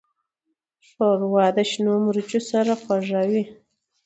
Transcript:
ښوروا د شنو مرچو سره خوږه وي.